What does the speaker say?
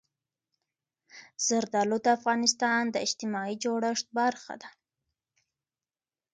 زردالو د افغانستان د اجتماعي جوړښت برخه ده.